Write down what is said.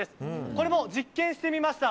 これも実験してみました。